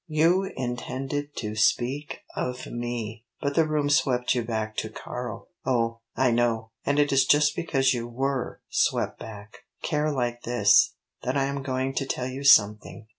You intended to speak of me but the room swept you back to Karl. Oh I know. And it is just because you were swept back care like this that I am going to tell you something.